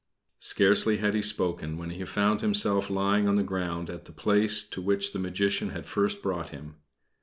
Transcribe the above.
Scarcely had he spoken, when he found himself lying on the ground at the place to which the Magician had first brought him.